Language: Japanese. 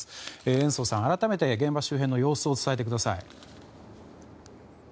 延増さん、改めて現場周辺の様子を伝えてください。